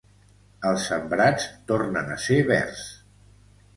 Els sembrats tornen a ser verds